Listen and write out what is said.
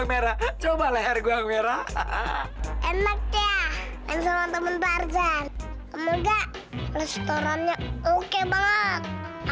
merah coba leher gue merah enaknya dan sama temen barzan semoga restorannya oke banget